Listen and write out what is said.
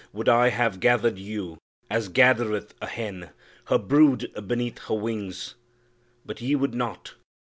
would I Have gathered you, as gathereth a hen Her brood beneath her wings but ye would not!'